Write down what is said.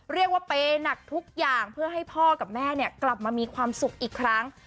เรียกว่าเปย์หนักทุกอย่างเพื่อให้พ่อกับแม่กลับมามีความสุขอีกครั้ง